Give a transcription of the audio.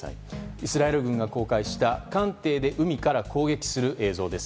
イスラエル軍が公開した艦艇で海から攻撃する映像です。